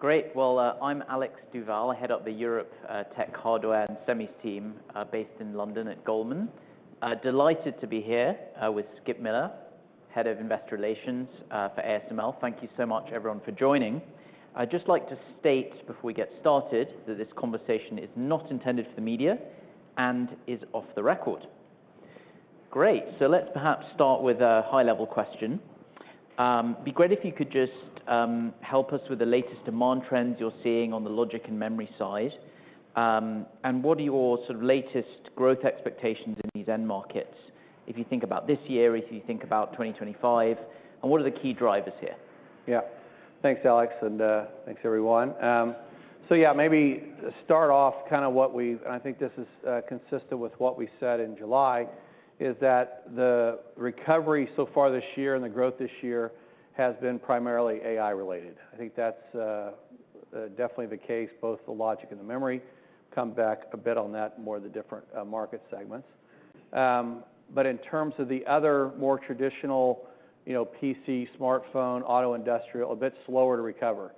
Great! Well, I'm Alex Duval. I head up the Europe, Tech, Hardware, and Semis team, based in London at Goldman. Delighted to be here, with Skip Miller, Head of Investor Relations, for ASML. Thank you so much, everyone, for joining. I'd just like to state, before we get started, that this conversation is not intended for the media and is off the record. Great. So let's perhaps start with a high-level question. It'd be great if you could just, help us with the latest demand trends you're seeing on the logic and memory side. And what are your sort of latest growth expectations in these end markets, if you think about this year, if you think about 2025, and what are the key drivers here?... Yeah. Thanks, Alex, and thanks, everyone. So yeah, maybe to start off, and I think this is consistent with what we said in July, is that the recovery so far this year and the growth this year has been primarily AI related. I think that's definitely the case, both the logic and the memory. Come back a bit on that, more of the different market segments. But in terms of the other more traditional, you know, PC, smartphone, auto, industrial, a bit slower to recover.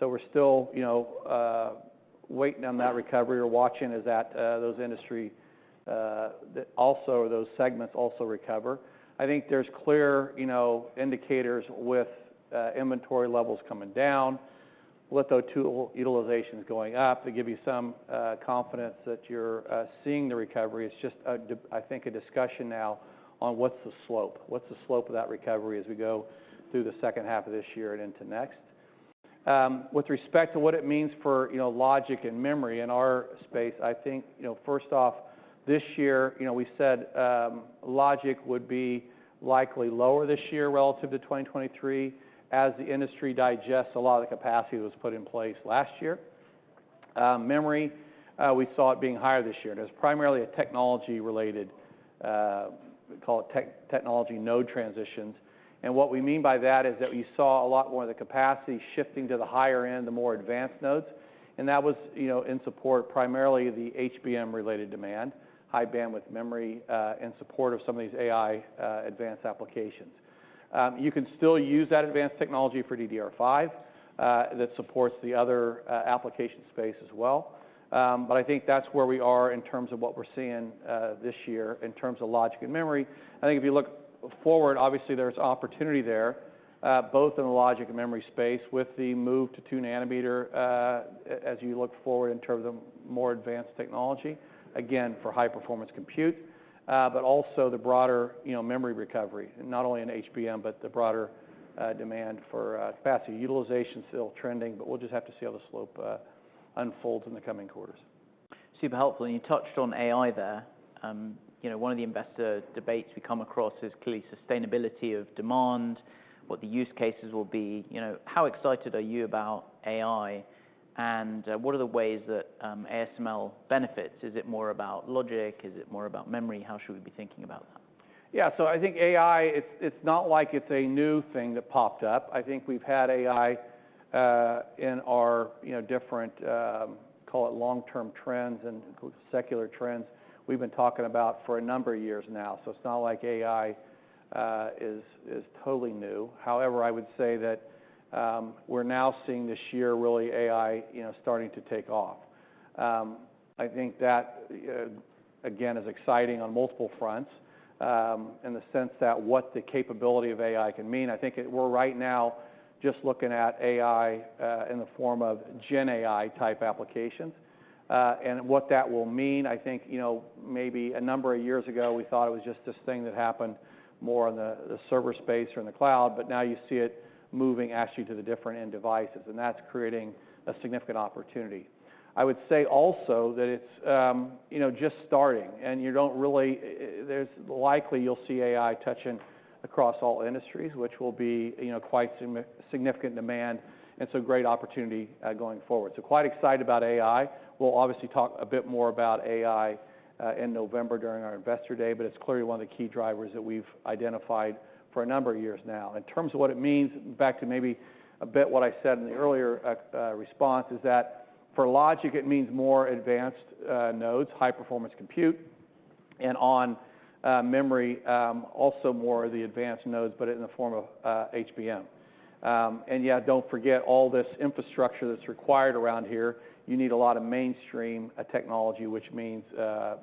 So we're still, you know, waiting on that recovery or watching as that, those industries also those segments recover. I think there's clear, you know, indicators with inventory levels coming down, litho tool utilization is going up, to give you some confidence that you're seeing the recovery. It's just, I think, a discussion now on what's the slope. What's the slope of that recovery as we go through the second half of this year and into next? With respect to what it means for, you know, logic and memory in our space, I think, you know, first off, this year, you know, we said logic would be likely lower this year relative to 2023, as the industry digests a lot of the capacity that was put in place last year. Memory, we saw it being higher this year, and it was primarily a technology-related, we call it technology node transitions. And what we mean by that is that we saw a lot more of the capacity shifting to the higher end, the more advanced nodes, and that was, you know, in support of primarily the HBM-related demand, High Bandwidth Memory, in support of some of these AI, advanced applications. You can still use that advanced technology for DDR5, that supports the other, application space as well. But I think that's where we are in terms of what we're seeing, this year in terms of logic and memory. I think if you look forward, obviously there's opportunity there, both in the logic and memory space, with the move to 2 nanometer, as you look forward in terms of more advanced technology, again, for high performance compute, but also the broader, you know, memory recovery, not only in HBM, but the broader, demand for capacity. Utilization is still trending, but we'll just have to see how the slope unfolds in the coming quarters. Super helpful. And you touched on AI there. You know, one of the investor debates we come across is clearly sustainability of demand, what the use cases will be. You know, how excited are you about AI, and what are the ways that ASML benefits? Is it more about logic? Is it more about memory? How should we be thinking about that? Yeah, so I think AI, it's not like it's a new thing that popped up. I think we've had AI in our you know different call it long-term trends and secular trends we've been talking about for a number of years now. So it's not like AI is totally new. However, I would say that we're now seeing this year really AI you know starting to take off. I think that again is exciting on multiple fronts in the sense that what the capability of AI can mean. I think we're right now just looking at AI in the form of Gen AI-type applications and what that will mean. I think, you know, maybe a number of years ago, we thought it was just this thing that happened more in the, the server space or in the cloud, but now you see it moving actually to the different end devices, and that's creating a significant opportunity. I would say also that it's, you know, just starting, and you don't really... likely, you'll see AI touching across all industries, which will be, you know, quite significant demand, and so a great opportunity, going forward. So quite excited about AI. We'll obviously talk a bit more about AI, in November during our Investor Day, but it's clearly one of the key drivers that we've identified for a number of years now. In terms of what it means, back to maybe a bit what I said in the earlier response, is that for logic, it means more advanced nodes, high-performance compute, and on memory, also more of the advanced nodes, but in the form of HBM. And yeah, don't forget all this infrastructure that's required around here. You need a lot of mainstream technology, which means,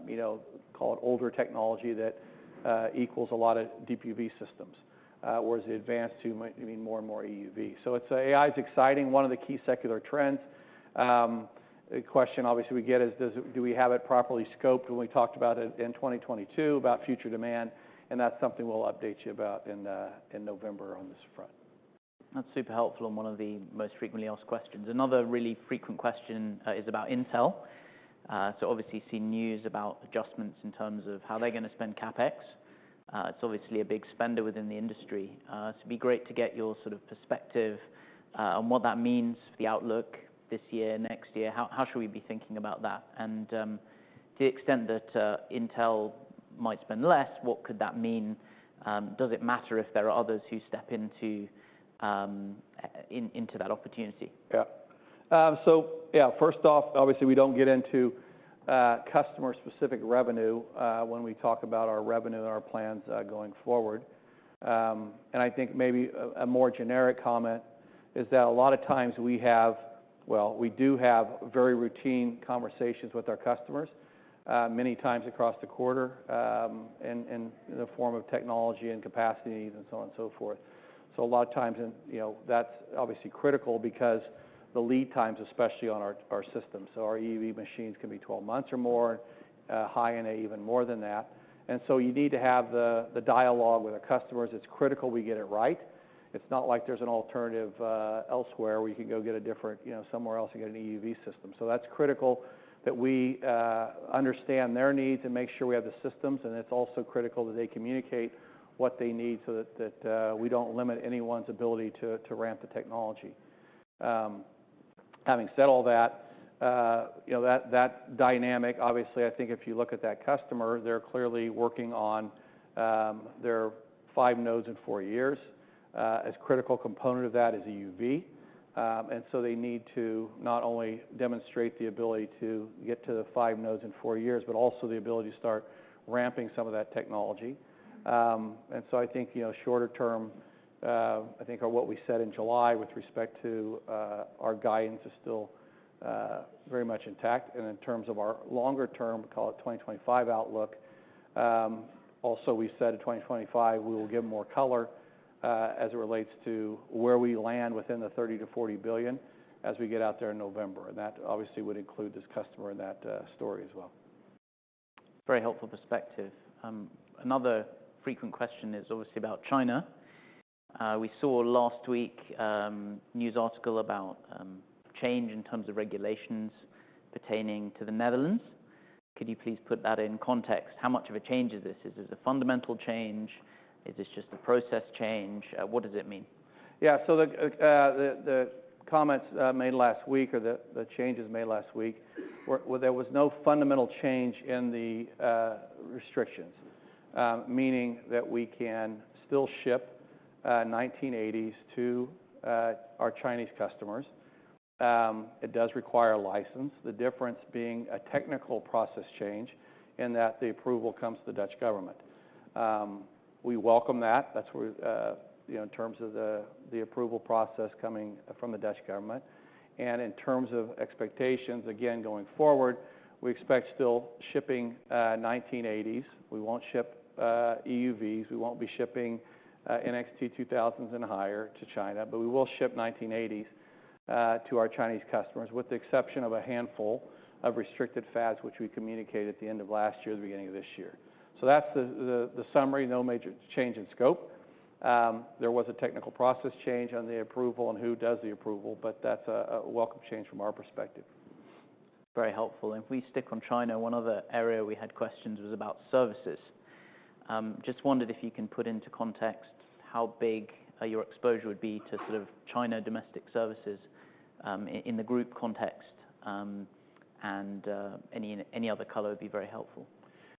you know, call it older technology that equals a lot of DUV systems, whereas the advanced too might mean more and more EUV. So it's AI is exciting, one of the key secular trends. The question obviously we get is, do we have it properly scoped when we talked about it in 2022, about future demand, and that's something we'll update you about in November on this front. That's super helpful and one of the most frequently asked questions. Another really frequent question is about Intel, so obviously, we've seen news about adjustments in terms of how they're going to spend CapEx. It's obviously a big spender within the industry, so it'd be great to get your sort of perspective on what that means for the outlook this year, next year. How should we be thinking about that? To the extent that Intel might spend less, what could that mean? Does it matter if there are others who step into that opportunity? Yeah. So yeah, first off, obviously, we don't get into customer-specific revenue when we talk about our revenue and our plans going forward. And I think maybe a more generic comment is that a lot of times we have very routine conversations with our customers many times across the quarter in the form of technology and capacity needs and so on and so forth. So a lot of times, you know, that's obviously critical because the lead times, especially on our systems, so our EUV machines can be 12 months or more, High-NA even more than that. And so you need to have the dialogue with our customers. It's critical we get it right. It's not like there's an alternative elsewhere, where you can go get a different, you know, somewhere else to get an EUV system. So that's critical that we understand their needs and make sure we have the systems, and it's also critical that they communicate what they need so that we don't limit anyone's ability to ramp the technology. Having said all that, you know, that dynamic, obviously, I think if you look at that customer, they're clearly working on their five nodes in four years. A critical component of that is EUV. And so they need to not only demonstrate the ability to get to the five nodes in four years, but also the ability to start ramping some of that technology. I think, you know, shorter term, I think of what we said in July with respect to our guidance is still very much intact. In terms of our longer term, call it 2025 outlook, also, we said in 2025, we will give more color as it relates to where we land within the 30-40 billion as we get out there in November. And that obviously would include this customer in that story as well. Very helpful perspective. Another frequent question is obviously about China. We saw last week news article about change in terms of regulations pertaining to the Netherlands. Could you please put that in context? How much of a change is this? Is this a fundamental change? Is this just a process change? What does it mean? Yeah, so the comments made last week or the changes made last week were well, there was no fundamental change in the restrictions, meaning that we can still ship 1980s to our Chinese customers. It does require a license. The difference being a technical process change, in that the approval comes from the Dutch government. We welcome that. That's where in terms of the approval process coming from the Dutch government. And in terms of expectations, again, going forward, we expect still shipping 1980s. We won't ship EUVs. We won't be shipping NXT:2000s and higher to China, but we will ship 1980s to our Chinese customers, with the exception of a handful of restricted fabs, which we communicated at the end of last year, the beginning of this year. So that's the summary. No major change in scope. There was a technical process change on the approval and who does the approval, but that's a welcome change from our perspective. Very helpful. And if we stick on China, one other area we had questions was about services. Just wondered if you can put into context how big your exposure would be to sort of China domestic services, in the group context, and any other color would be very helpful.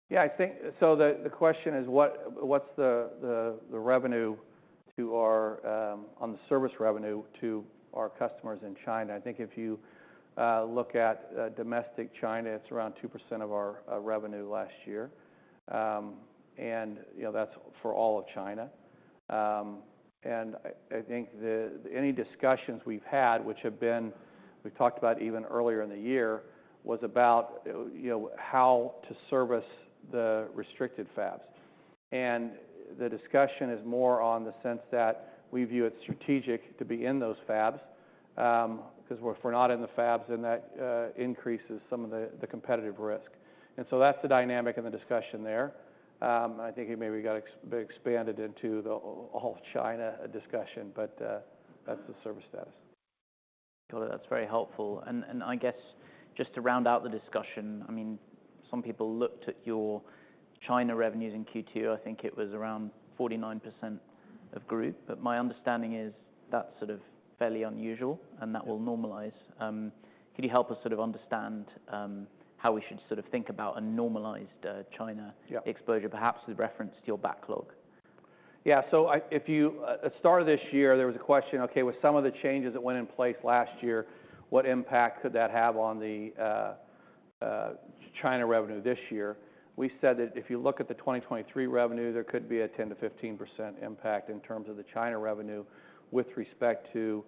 Yeah, I think. So the question is what's the service revenue to our customers in China? I think if you look at domestic China, it's around 2% of our revenue last year. And, you know, that's for all of China. And I think any discussions we've had, which have been, we talked about even earlier in the year, was about, you know, how to service the restricted fabs. And the discussion is more on the sense that we view it strategic to be in those fabs, because if we're not in the fabs, then that increases some of the competitive risk. And so that's the dynamic in the discussion there. I think it maybe got expanded into the all China discussion, but that's the service status. Got it. That's very helpful. And I guess just to round out the discussion, I mean, some people looked at your China revenues in Q2. I think it was around 49% of group, but my understanding is that's sort of fairly unusual, and that will normalize. Could you help us sort of understand how we should sort of think about a normalized China- Yeah exposure, perhaps with reference to your backlog? Yeah. So if you at start of this year, there was a question, okay, with some of the changes that went in place last year, what impact could that have on the China revenue this year? We said that if you look at the 2023 revenue, there could be a 10%-15% impact in terms of the China revenue with respect to, you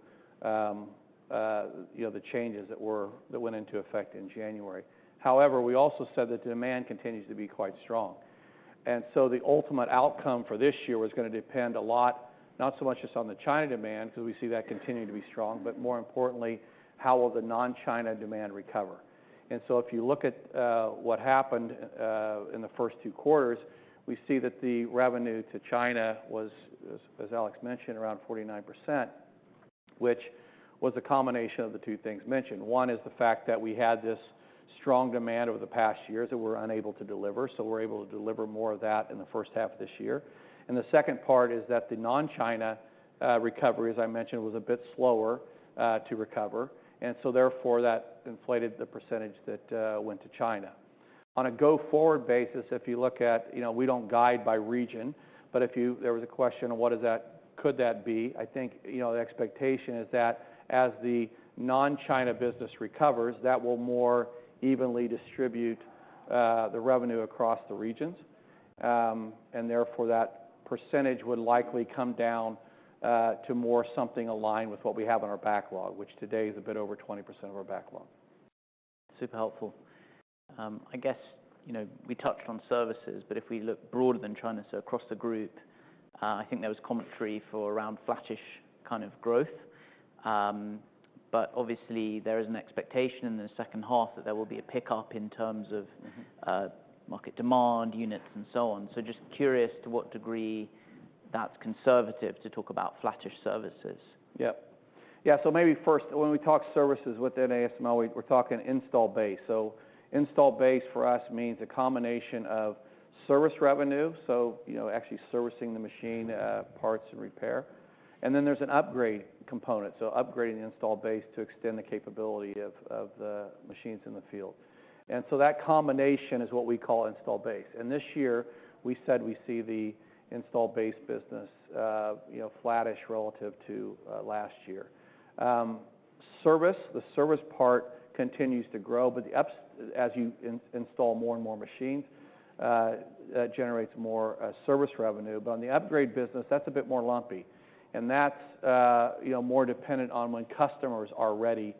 know, the changes that went into effect in January. However, we also said that demand continues to be quite strong. And so the ultimate outcome for this year was gonna depend a lot, not so much just on the China demand, because we see that continuing to be strong, but more importantly, how will the non-China demand recover? And so if you look at what happened in the first two quarters, we see that the revenue to China was, as Alex mentioned, around 49%, which was a combination of the two things mentioned. One is the fact that we had this strong demand over the past years that we're unable to deliver, so we're able to deliver more of that in the first half of this year. And the second part is that the non-China recovery, as I mentioned, was a bit slower to recover, and so therefore, that inflated the percentage that went to China. On a go-forward basis, if you look at, you know, we don't guide by region, but if you, there was a question of what does that, could that be? I think, you know, the expectation is that as the non-China business recovers, that will more evenly distribute the revenue across the regions. And therefore, that percentage would likely come down to more something aligned with what we have on our backlog, which today is a bit over 20% of our backlog. Super helpful. I guess, you know, we touched on services, but if we look broader than China, so across the group, I think there was commentary for around flattish kind of growth. But obviously, there is an expectation in the second half that there will be a pickup in terms of- Mm-hmm... market demand, units, and so on. So just curious to what degree that's conservative to talk about flattish services? Yep. Yeah, so maybe first, when we talk services within ASML, we're talking installed base. So installed base for us means a combination of service revenue, you know, actually servicing the machine, parts and repair. And then there's an upgrade component, upgrading the installed base to extend the capability of the machines in the field. And so that combination is what we call installed base. And this year, we said we see the installed base business, you know, flattish relative to last year. The service part continues to grow, but as you install more and more machines, that generates more service revenue. But on the upgrade business, that's a bit more lumpy, and that's you know more dependent on when customers are ready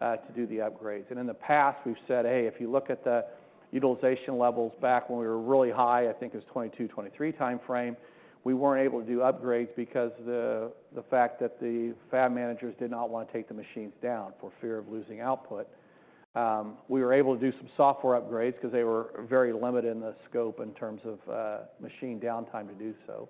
to do the upgrades. And in the past, we've said, "Hey, if you look at the utilization levels back when we were really high, I think it was 2022, 2023 timeframe, we weren't able to do upgrades because the fact that the fab managers did not want to take the machines down for fear of losing output. We were able to do some software upgrades because they were very limited in the scope in terms of machine downtime to do so.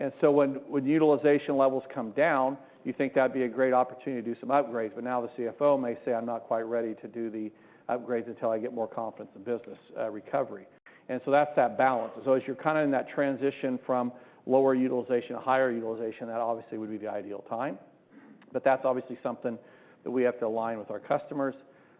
And so when utilization levels come down, you think that'd be a great opportunity to do some upgrades, but now the CFO may say, "I'm not quite ready to do the upgrades until I get more confidence in business recovery." And so that's that balance. And so as you're kind of in that transition from lower utilization to higher utilization, that obviously would be the ideal time. But that's obviously something that we have to align with our customers,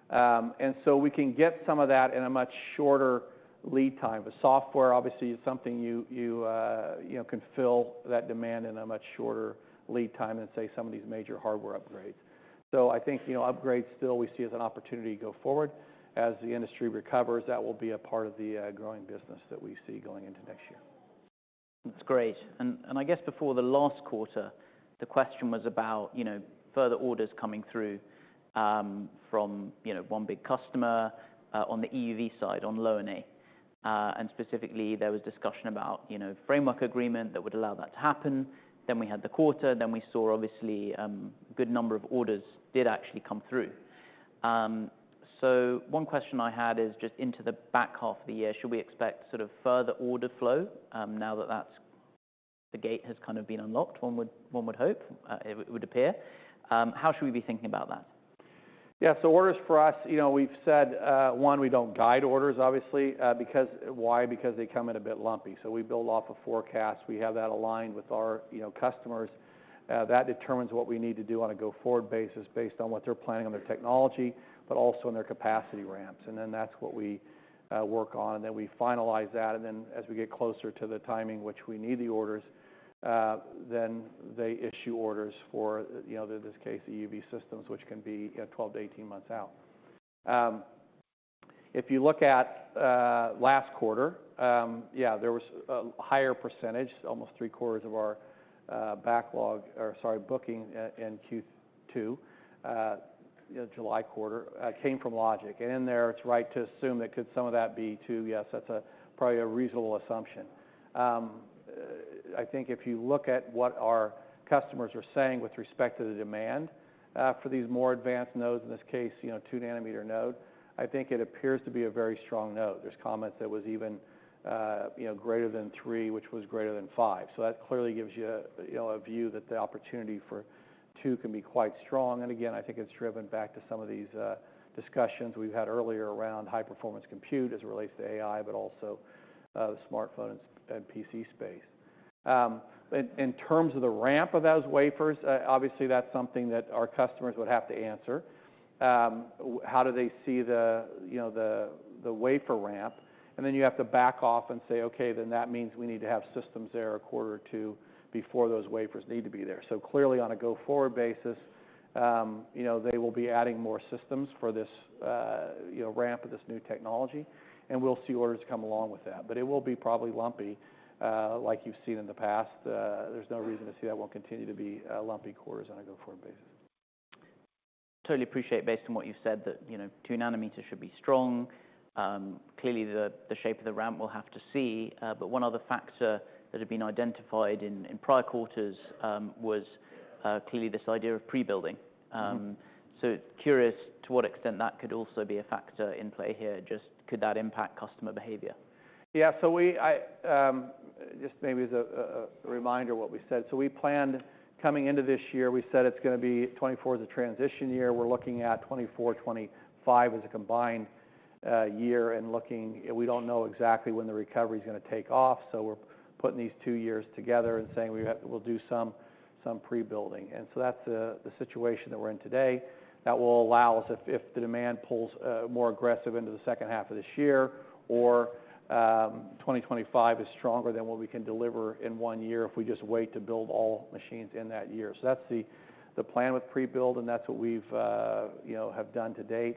and so we can get some of that in a much shorter lead time. But software, obviously, is something you know can fill that demand in a much shorter lead time than, say, some of these major hardware upgrades, so I think, you know, upgrades still, we see as an opportunity to go forward. As the industry recovers, that will be a part of the growing business that we see going into next year. That's great. And I guess before the last quarter, the question was about, you know, further orders coming through, from, you know, one big customer, on the EUV side, on Low-NA. And specifically, there was discussion about, you know, framework agreement that would allow that to happen. Then we had the quarter, then we saw, obviously, a good number of orders did actually come through. So one question I had is just into the back half of the year, should we expect sort of further order flow, now that that's the gate has kind of been unlocked? One would hope, it would appear. How should we be thinking about that? Yeah, so orders for us, you know, we've said we don't guide orders, obviously, because why? Because they come in a bit lumpy, so we build off a forecast. We have that aligned with our, you know, customers. That determines what we need to do on a go-forward basis based on what they're planning on their technology, but also on their capacity ramps, and then that's what we work on, and then we finalize that, and then as we get closer to the timing, which we need the orders, then they issue orders for, you know, in this case, EUV systems, which can be twelve to eighteen months out. If you look at last quarter, yeah, there was a higher percentage, almost 3/4 of our backlog, or sorry, bookings in Q2, you know, July quarter, came from Logic, and in there, it's right to assume that could some of that be two? Yes, that's probably a reasonable assumption. I think if you look at what our customers are saying with respect to the demand for these more advanced nodes, in this case, you know, 2 nanometer node, I think it appears to be a very strong node. There's comments that was even, you know, greater than three, which was greater than five. So that clearly gives you, you know, a view that the opportunity for two can be quite strong. And again, I think it's driven back to some of these discussions we've had earlier around high-performance compute as it relates to AI, but also smartphone and PC space. In terms of the ramp of those wafers, obviously, that's something that our customers would have to answer. How do they see the, you know, the wafer ramp? And then you have to back off and say, "Okay, then that means we need to have systems there a quarter or two before those wafers need to be there." So clearly, on a go-forward basis, you know, they will be adding more systems for this, you know, ramp of this new technology, and we'll see orders come along with that. But it will be probably lumpy, like you've seen in the past. There's no reason to see that won't continue to be lumpy quarters on a go-forward basis. Totally appreciate, based on what you've said, that, you know, 2 nanometers should be strong. Clearly, the shape of the ramp, we'll have to see. But one other factor that had been identified in prior quarters was clearly this idea of pre-building. Mm-hmm. So curious to what extent that could also be a factor in play here. Just could that impact customer behavior? Yeah. So we, I, just maybe as a reminder what we said. So we planned coming into this year, we said it's gonna be 2024 is a transition year. We're looking at 2024, 2025 as a combined year and looking, we don't know exactly when the recovery is gonna take off, so we're putting these two years together and saying we'll do some pre-building. And so that's the situation that we're in today. That will allow us, if the demand pulls more aggressive into the second half of this year, or 2025 is stronger than what we can deliver in one year if we just wait to build all machines in that year. So that's the plan with pre-build, and that's what we've, you know, have done to date.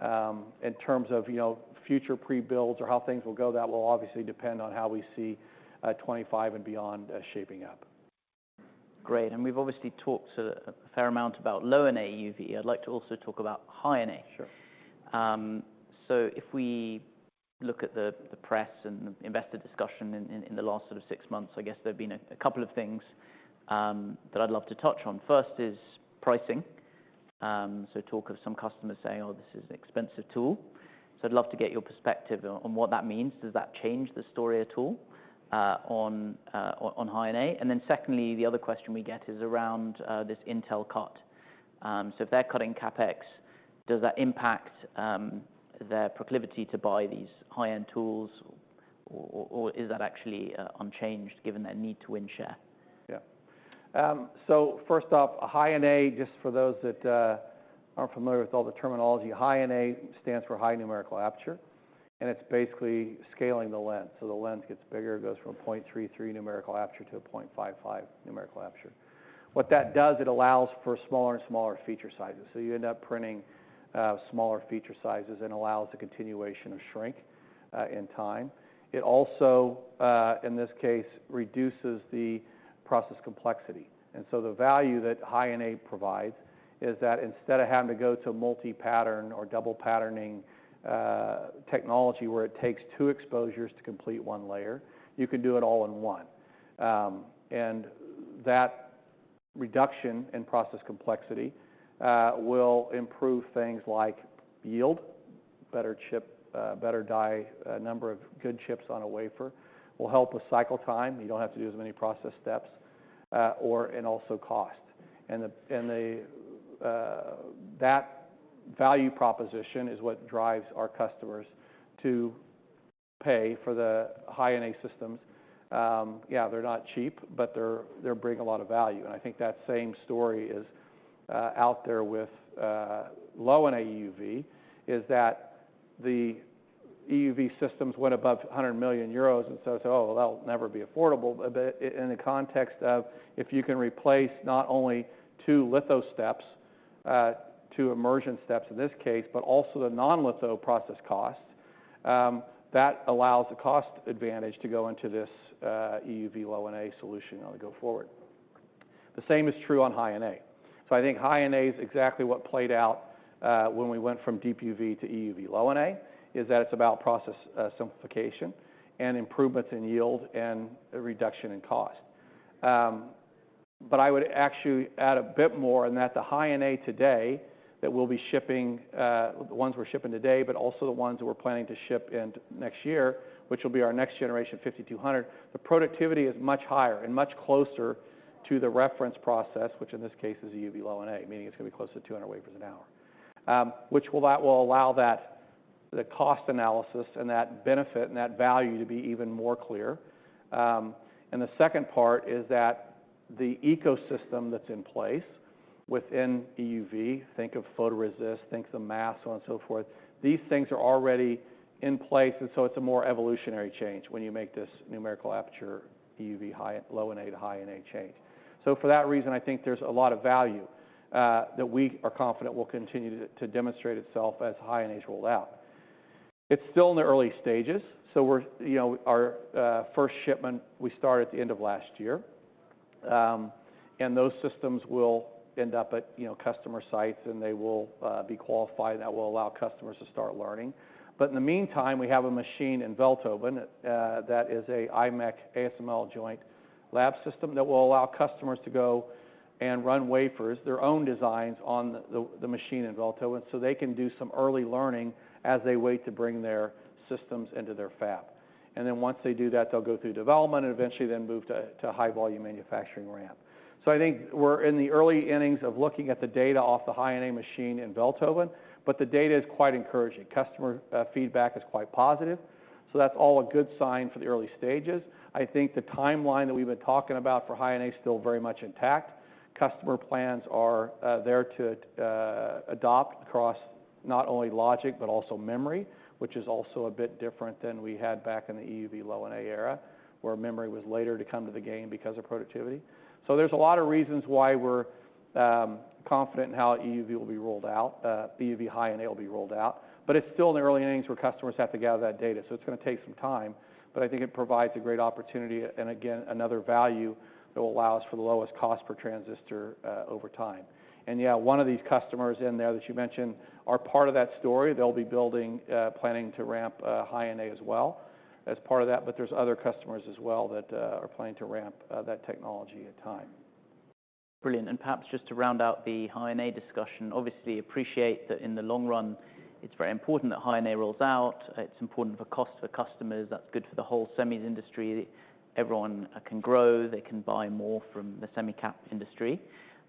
In terms of, you know, future pre-builds or how things will go, that will obviously depend on how we see 2025 and beyond shaping up.... Great, and we've obviously talked a fair amount about Low-NA EUV. I'd like to also talk about High-NA. Sure. So if we look at the press and the investor discussion in the last sort of six months, I guess there have been a couple of things that I'd love to touch on. First is pricing. So talk of some customers saying, "Oh, this is an expensive tool." I'd love to get your perspective on what that means. Does that change the story at all on High-NA? And then secondly, the other question we get is around this Intel cut. So if they're cutting CapEx, does that impact their proclivity to buy these high-end tools, or is that actually unchanged, given their need to win share? Yeah. So first off, a High-NA, just for those that aren't familiar with all the terminology, High-NA stands for High Numerical Aperture, and it's basically scaling the lens. So the lens gets bigger, it goes from a 0.33 NA to a 0.55 NA. What that does, it allows for smaller and smaller feature sizes, so you end up printing smaller feature sizes, and allows the continuation of shrink in time. It also in this case, reduces the process complexity. And so the value that High-NA provides is that instead of having to go to a multi-pattern or double patterning technology, where it takes two exposures to complete one layer, you can do it all in one. And that reduction in process complexity will improve things like yield, better chip, better die, a number of good chips on a wafer, will help with cycle time, you don't have to do as many process steps, and also cost. And that value proposition is what drives our customers to pay for the High-NA systems. Yeah, they're not cheap, but they bring a lot of value. And I think that same story is out there with Low-NA EUV, is that the EUV systems went above 100 million euros, and so they said, "Oh, well, that'll never be affordable." But in the context of if you can replace not only two litho steps, two immersion steps in this case, but also the non-litho process costs, that allows the cost advantage to go into this EUV Low-NA solution as we go forward. The same is true on High-NA. So I think High-NA is exactly what played out when we went from DUV to EUV. Low-NA is that it's about process simplification and improvements in yield and a reduction in cost. But I would actually add a bit more in that the High-NA today, that we'll be shipping... The ones we're shipping today, but also the ones we're planning to ship in next year, which will be our next generation 5200. The productivity is much higher and much closer to the reference process, which in this case is EUV Low-NA, meaning it's going to be closer to 200 wafers an hour, which will allow that, the cost analysis and that benefit and that value to be even more clear. And the second part is that the ecosystem that's in place within EUV, think of photoresist, think of masks, so on and so forth, these things are already in place, and so it's a more evolutionary change when you make this numerical aperture EUV Low-NA to High-NA change. So for that reason, I think there's a lot of value that we are confident will continue to demonstrate itself as High-NA is rolled out. It's still in the early stages, so we're, you know, our first shipment we started at the end of last year, and those systems will end up at, you know, customer sites, and they will be qualified, and that will allow customers to start learning, but in the meantime, we have a machine in Veldhoven that is a imec-ASML joint lab system that will allow customers to go and run wafers, their own designs, on the machine in Veldhoven, so they can do some early learning as they wait to bring their systems into their fab, and then once they do that, they'll go through development and eventually then move to high volume manufacturing ramp. So I think we're in the early innings of looking at the data off the High-NA machine in Veldhoven, but the data is quite encouraging. Customer feedback is quite positive, so that's all a good sign for the early stages. I think the timeline that we've been talking about for High-NA is still very much intact. Customer plans are there to adopt across not only logic, but also memory, which is also a bit different than we had back in the EUV Low-NA era, where memory was later to come to the game because of productivity. So there's a lot of reasons why we're confident in how EUV will be rolled out, EUV High-NA will be rolled out, but it's still in the early innings where customers have to gather that data. So it's going to take some time, but I think it provides a great opportunity, and again, another value that will allow us for the lowest cost-per-transistor, over time. And yeah, one of these customers in there that you mentioned are part of that story. They'll be building, planning to ramp, High-NA as well as part of that, but there's other customers as well that, are planning to ramp, that technology at time. Brilliant. And perhaps just to round out the High-NA discussion, obviously appreciate that in the long run, it's very important that High-NA rolls out. It's important for cost for customers. That's good for the whole semis industry. Everyone can grow, they can buy more from the semi cap industry.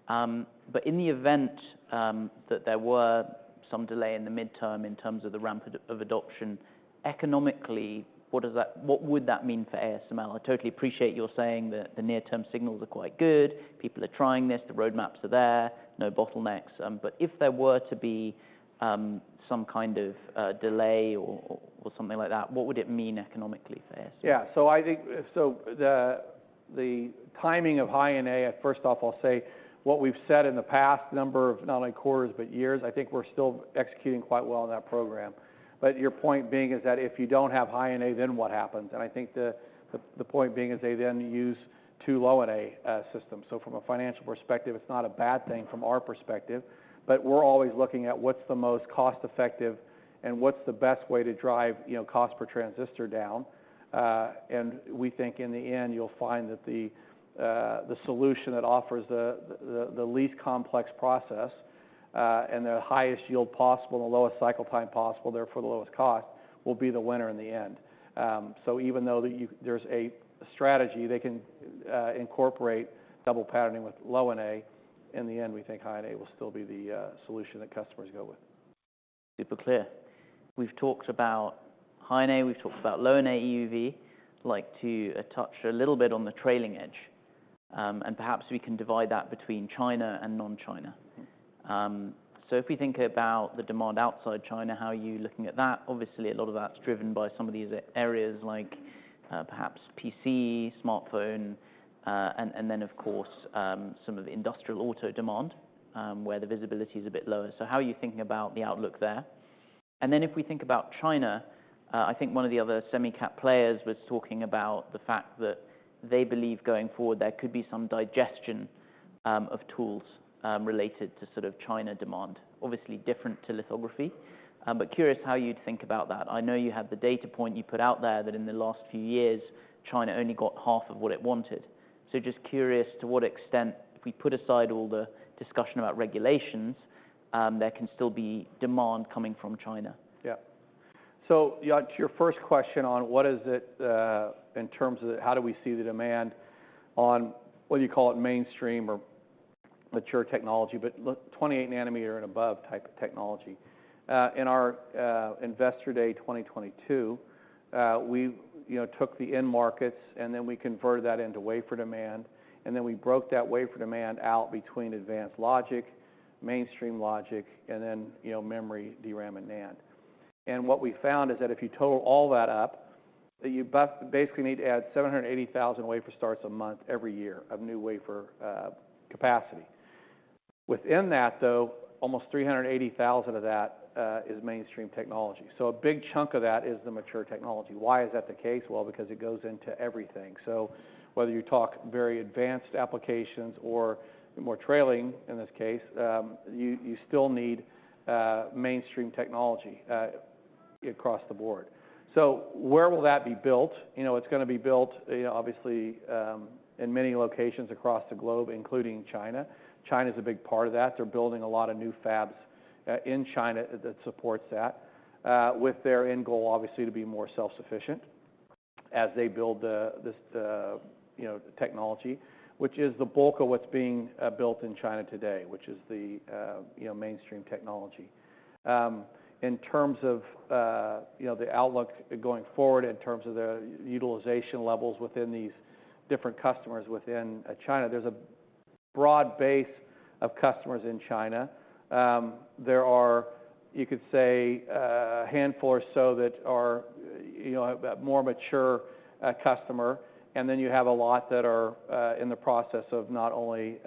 But in the event that there were some delay in the midterm in terms of the ramp of adoption, economically, what does that, what would that mean for ASML? I totally appreciate your saying that the near-term signals are quite good, people are trying this, the roadmaps are there, no bottlenecks. But if there were to be some kind of delay or something like that, what would it mean economically for ASML? Yeah, so I think the timing of High-NA, first off, I'll say what we've said in the past number of not only quarters, but years. I think we're still executing quite well on that program. But your point being is that if you don't have High-NA, then what happens? And I think the point being is they then use two Low-NA systems. So from a financial perspective, it's not a bad thing from our perspective, but we're always looking at what's the most cost-effective and what's the best way to drive, you know, cost-per-transistor down. And we think in the end, you'll find that the solution that offers the least complex process, and the highest yield possible and the lowest cycle time possible, therefore the lowest cost, will be the winner in the end. So even though there's a strategy, they can incorporate double patterning with Low-NA. In the end, we think High-NA will still be the solution that customers go with. Super clear. We've talked about High-NA, we've talked about Low-NA EUV. I'd like to touch a little bit on the trailing edge, and perhaps we can divide that between China and non-China. So if we think about the demand outside China, how are you looking at that? Obviously, a lot of that's driven by some of these areas like, perhaps PC, smartphone, and then, of course, some of the industrial auto demand, where the visibility is a bit lower. So how are you thinking about the outlook there? And then if we think about China, I think one of the other semi cap players was talking about the fact that they believe going forward, there could be some digestion of tools related to sort of China demand. Obviously, different to lithography, but curious how you'd think about that. I know you have the data point you put out there, that in the last few years, China only got half of what it wanted, so just curious to what extent, if we put aside all the discussion about regulations, there can still be demand coming from China. Yeah. So, yeah, to your first question on what is it, in terms of how do we see the demand on, what do you call it, mainstream or mature technology, but 28 nanometer and above type of technology. In our Investor Day 2022, we, you know, took the end markets, and then we converted that into wafer demand, and then we broke that wafer demand out between advanced logic, mainstream logic, and then, you know, memory, DRAM and NAND. And what we found is that if you total all that up, that you basically need to add 780,000 wafer starts a month, every year, of new wafer capacity. Within that, though, almost 380,000 of that is mainstream technology. A big chunk of that is the mature technology. Why is that the case? Because it goes into everything. So whether you talk very advanced applications or more trailing, in this case, you still need mainstream technology across the board. So where will that be built? You know, it's going to be built, obviously, in many locations across the globe, including China. China's a big part of that. They're building a lot of new fabs in China that supports that with their end goal, obviously, to be more self-sufficient as they build the technology, which is the bulk of what's being built in China today, which is the mainstream technology. In terms of the outlook going forward in terms of the utilization levels within these different customers within China, there's a broad base of customers in China. There are, you could say, a handful or so that are, you know, a more mature customer, and then you have a lot that are in the process of not only,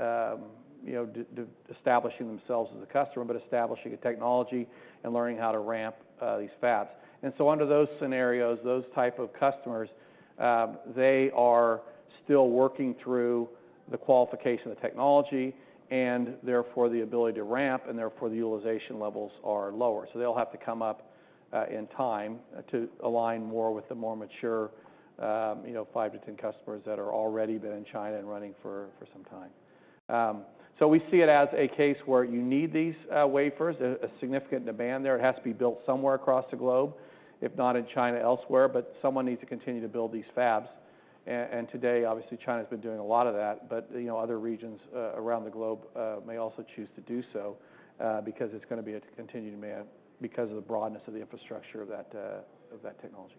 you know, establishing themselves as a customer, but establishing a technology and learning how to ramp these fabs. Under those scenarios, those type of customers, they are still working through the qualification of the technology and therefore, the ability to ramp, and therefore, the utilization levels are lower. They'll have to come up, in time to align more with the more mature, you know, five to 10 customers that are already been in China and running for some time. We see it as a case where you need these wafers, a significant demand there. It has to be built somewhere across the globe, if not in China, elsewhere, but someone needs to continue to build these fabs, and today, obviously, China's been doing a lot of that, but, you know, other regions around the globe may also choose to do so, because it's going to be a continued demand because of the broadness of the infrastructure of that technology.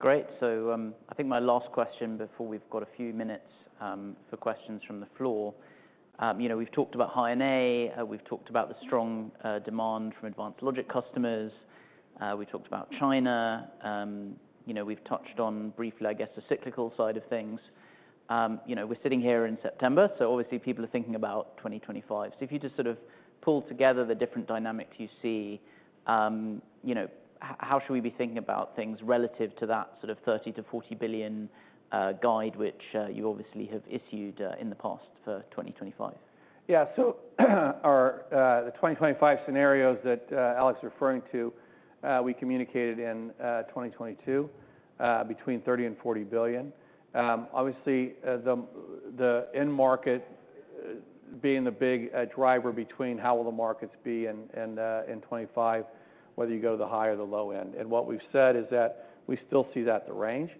Great. So, I think my last question before we've got a few minutes for questions from the floor. You know, we've talked about High-NA. We've talked about the strong demand from advanced logic customers. We talked about China. You know, we've touched on briefly, I guess, the cyclical side of things. You know, we're sitting here in September, so obviously, people are thinking about 2025. So if you just sort of pull together the different dynamics you see, you know, how should we be thinking about things relative to that sort of 30-40 billion guide, which you obviously have issued in the past for 2025? Yeah. So, our 2025 scenarios that Alex is referring to, we communicated in 2022, between 30 billion and 40 billion. Obviously, the end market being the big driver between how will the markets be in 2025, whether you go the high or the low end. And what we've said is that we still see that the range,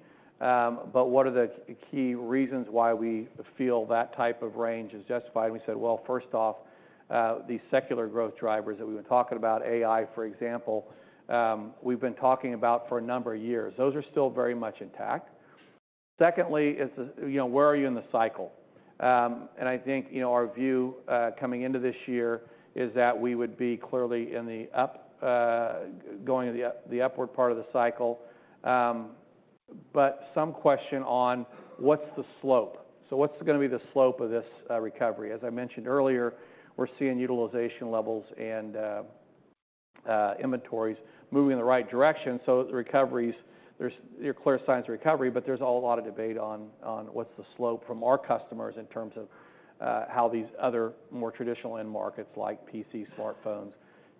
but what are the key reasons why we feel that type of range is justified? And we said, well, first off, these secular growth drivers that we've been talking about, AI, for example, we've been talking about for a number of years. Those are still very much intact. Secondly is the, you know, where are you in the cycle? And I think, you know, our view coming into this year is that we would be clearly in the up, going to the upward part of the cycle. But some question on what's the slope. So what's going to be the slope of this recovery? As I mentioned earlier, we're seeing utilization levels and inventories moving in the right direction. So the recoveries, there's clear signs of recovery, but there's a lot of debate on what's the slope from our customers in terms of how these other more traditional end markets, like PC, smartphones,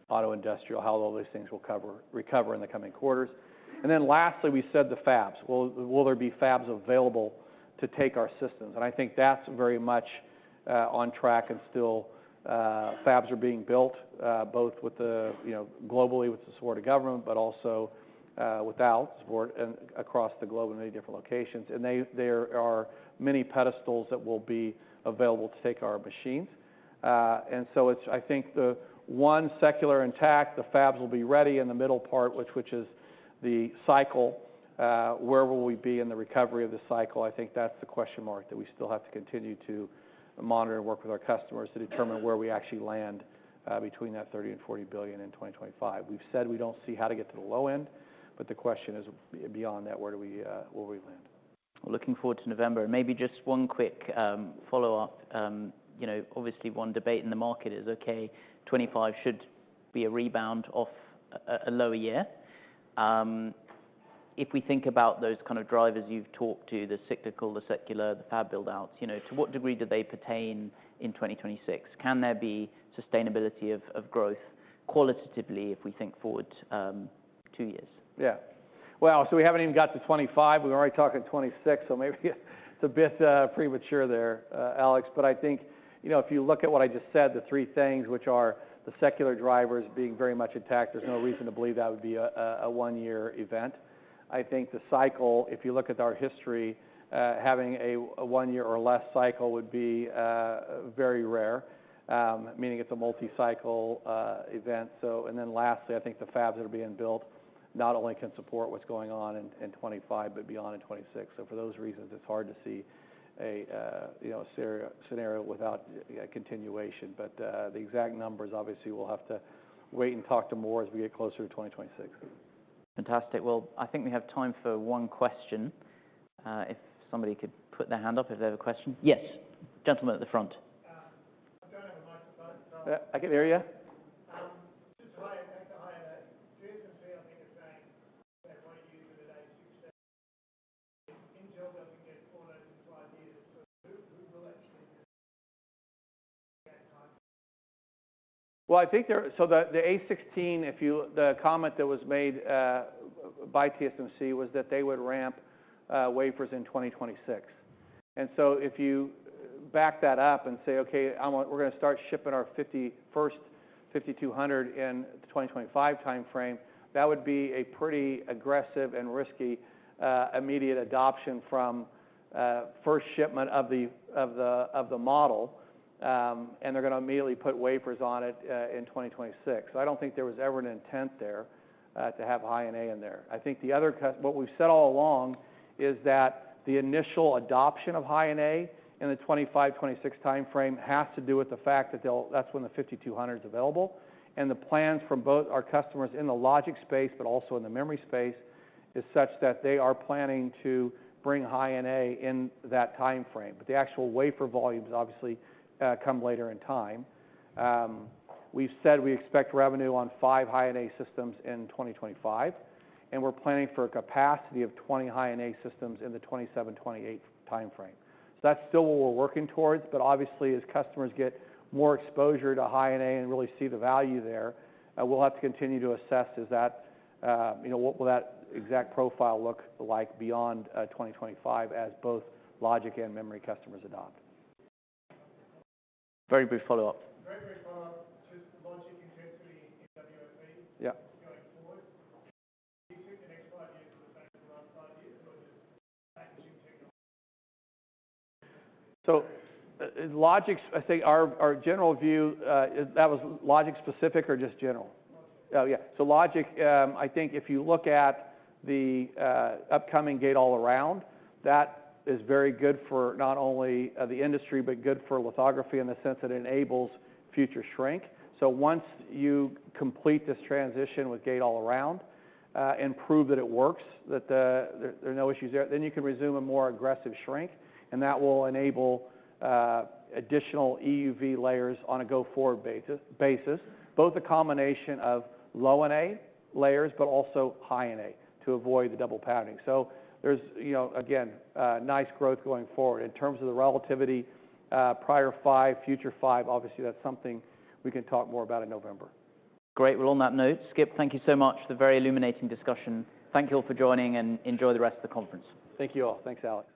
auto industrial, how all these things will recover in the coming quarters. And then lastly, we said the fabs. Will there be fabs available to take our systems? And I think that's very much on track, and still fabs are being built both with the, you know, globally, with the support of government, but also without support and across the globe in many different locations. And there are many pedestals that will be available to take our machines. And so it's, I think, the one secular intact, the fabs will be ready in the middle part, which is the cycle. Where will we be in the recovery of the cycle? I think that's the question mark that we still have to continue to monitor and work with our customers to determine where we actually land between that 30 billion and 40 billion in 2025. We've said we don't see how to get to the low end, but the question is, beyond that, where we land. Looking forward to November. Maybe just one quick follow-up. You know, obviously, one debate in the market is, okay, 2025 should be a rebound off a lower year. If we think about those kind of drivers you've talked to, the cyclical, the secular, the fab buildouts, you know, to what degree do they pertain in 2026? Can there be sustainability of growth qualitatively if we think forward two years? Yeah. We haven't even got to 2025. We're already talking 2026, so maybe it's a bit premature there, Alex. But I think, you know, if you look at what I just said, the three things which are the secular drivers being very much intact, there's no reason to believe that would be a one-year event. I think the cycle, if you look at our history, having a one-year or less cycle would be very rare, meaning it's a multi-cycle event. So, and then lastly, I think the fabs that are being built not only can support what's going on in 2025, but beyond in 2026. So for those reasons, it's hard to see a, you know, scenario without a continuation. But, the exact numbers, obviously, we'll have to wait and talk to more as we get closer to 2026. Fantastic. I think we have time for one question. If somebody could put their hand up if they have a question. Yes, gentleman at the front. I don't have a microphone, so- I can hear you. Just High-NA, back to High-NA. TSMC, I think, are saying that one user with A16, in general, they can get ordered in five years. So who will actually get time? I think the A16, the comment that was made by TSMC, was that they would ramp wafers in 2026. And if you back that up and say, "Okay, we're going to start shipping our EXE:5200 in the 2025 timeframe," that would be a pretty aggressive and risky immediate adoption from first shipment of the model, and they're going to immediately put wafers on it in 2026. I don't think there was ever an intent there to have High-NA in there. I think what we've said all along is that the initial adoption of High-NA in the 2025-2026 timeframe has to do with the fact that that's when the EXE:5200 is available. And the plans from both our customers in the logic space, but also in the memory space, is such that they are planning to bring High-NA in that timeframe. But the actual wafer volumes obviously come later in time. We've said we expect revenue on five High-NA systems in 2025, and we're planning for a capacity of 20 High-NA systems in the 2027, 2028 timeframe. So that's still what we're working towards, but obviously, as customers get more exposure to High-NA and really see the value there, we'll have to continue to assess, is that, you know, what will that exact profile look like beyond 2025 as both logic and memory customers adopt? Very brief follow-up. Very brief follow-up. Just logic and density in WLP- Yeah... going forward. Do you think the next five years will affect the last five years or just packaging technology? So logic, I think our general view, that was logic specific or just general? Logic. Oh, yeah. So logic, I think if you look at the upcoming Gate-All-Around, that is very good for not only the industry, but good for lithography in the sense that it enables future shrink. So once you complete this transition with Gate-All-Around and prove that it works, that there are no issues there, then you can resume a more aggressive shrink, and that will enable additional EUV layers on a go-forward basis. Both a combination of Low-NA layers, but also High-NA to avoid the double patterning. So there's, you know, again, nice growth going forward. In terms of the relativity, prior five, future five, obviously, that's something we can talk more about in November. Great. Well, on that note, Skip, thank you so much. The very illuminating discussion. Thank you all for joining, and enjoy the rest of the conference. Thank you all. Thanks, Alex.